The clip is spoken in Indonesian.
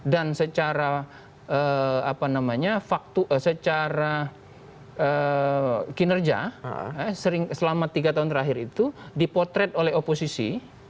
dan secara apa namanya secara kinerja selama tiga tahun terakhir itu dipotret oleh oposisi